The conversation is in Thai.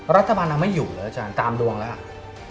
รัฐบาลถ้าไม่อยู่หรืออ๋อท่านตามดวงร้ะครับ